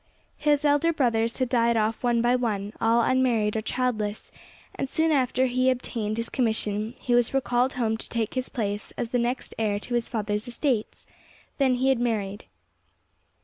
His elder brothers had died off one by one, all unmarried or childless, and soon after he obtained his commission he was recalled home to take his place as the next heir to his father's estates; then he had married.